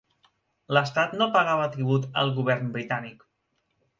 L'estat no pagava tribut al govern britànic.